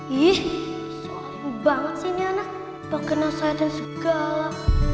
ih soalimu banget sih niana pakenasah dan segala